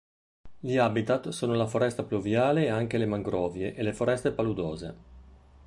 Gli habitat sono la foresta pluviale e anche le mangrovie e le foreste paludose.